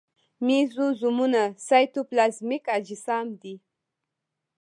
مېزوزومونه سایتوپلازمیک اجسام دي.